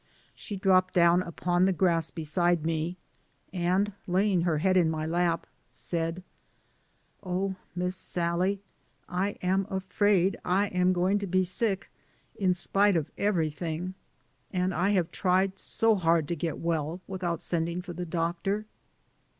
She dropped upon the grass beside me and, lay ing her head in my lap, said, "Oh, Miss Sal lie, I am afraid I am going to be sick in spite of everything, and I have tried so hard to get well without sending for the doctor."